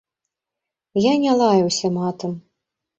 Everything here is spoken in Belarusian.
Я не лаяўся матам.